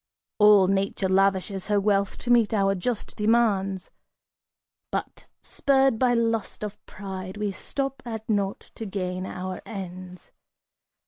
All Nature lavishes her wealth to meet our just demands; But, spurred by lust of pride, we stop at naught to gain our ends!